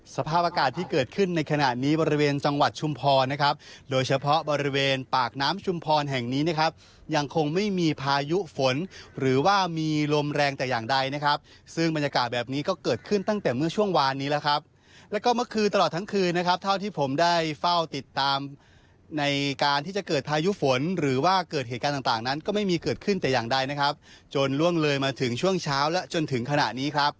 สภาพอากาศที่เกิดขึ้นในขณะนี้บริเวณจังหวัดชุมพรนะครับโดยเฉพาะบริเวณปากน้ำชุมพรแห่งนี้นะครับยังคงไม่มีพายุฝนหรือว่ามีลมแรงแต่อย่างใดนะครับซึ่งบรรยากาศแบบนี้ก็เกิดขึ้นตั้งแต่เมื่อช่วงวานนี้แล้วครับแล้วก็เมื่อคืนตลอดทั้งคืนนะครับเท่าที่ผมได้เฝ้าติดตามในการที่